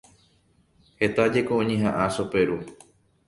Heta jeko oñeha'ã Choperu.